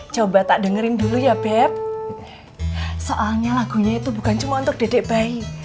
coba tak dengerin dulu ya beb soalnya lagunya itu bukan cuma untuk dedik bayi